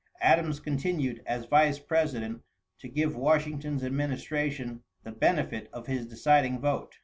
Adams continued, as vice president, to give Washington's administration the benefit of his deciding vote.